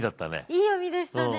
いい読みでしたね。